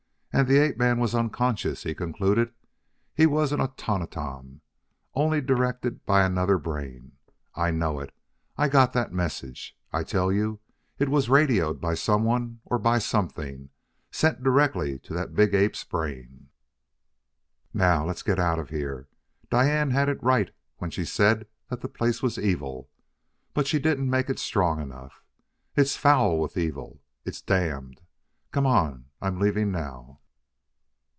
"And the ape man was unconscious," he concluded; "he was an automaton only, directed by another brain. I know it. I got that message, I tell you; it was radioed by someone or by something sent direct to that big ape's brain. "Now let's get out of here. Diane had it right when she said that the place was evil. But she didn't make it strong enough. It's foul with evil! It's damned! Come on, I'm leaving now!"